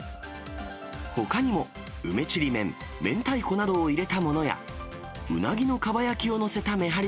ほかにも、梅ちりめん、明太子などを入れたものや、ウナギのかば焼きを載せためはり